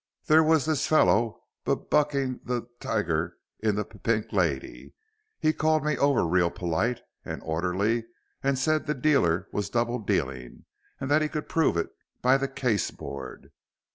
"There was this feller b bucking the t tiger in the P Pink Lady. He called me over real polite and orderly and said the dealer was double dealing and that he could prove it by the case board.